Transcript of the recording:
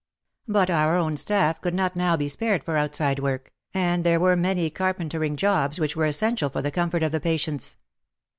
But our own staff could not now be spared for outside work, and there were many carpentering jobs which were essential for the comfort of the patients.